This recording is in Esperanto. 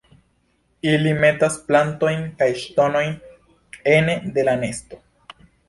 Ili metas plantojn kaj ŝtonojn ene de la nesto.